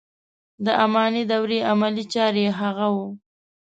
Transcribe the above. د اماني دورې عملي چاره یې هغه و.